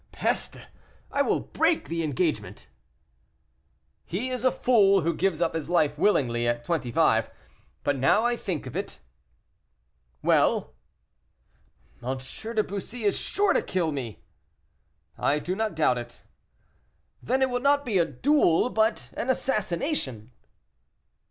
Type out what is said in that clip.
"Peste! I will break the engagement." "He is a fool who gives up his life willingly at twenty five. But, now I think of it " "Well." "M. de Bussy is sure to kill me." "I do not doubt it." "Then it will not be a duel, but an assassination."